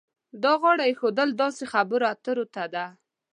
دا غاړه ایښودل داسې خبرو اترو ته ده.